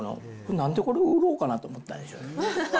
なんでこれを売ろうかなと思ったんでしょうかね。